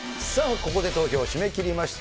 ここで投票締め切りました。